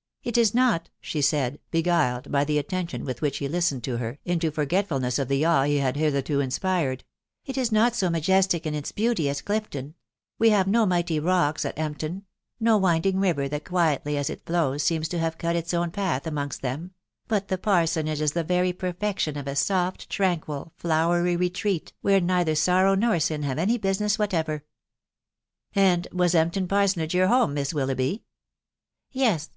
" It is not/' said she, beguiled, by the attention with which he listened to her, into forgetfulness of the awe he had hitherto inspired, — "it is not so majestic in its beauty as Clifton; we have no mighty rocks at Empton— no winding river that quietly as it flows, seems to have cut its own path amongst them ; but the parsonage is the very perfection of a soft, tran quil, flowery retreat, where neither sorrow nor sin have any business whatever." " And was Empton parsonage your home, Miss Wil loughby ?"" Yes